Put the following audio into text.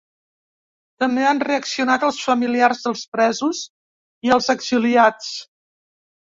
També han reaccionat els familiars dels presos i els exiliats.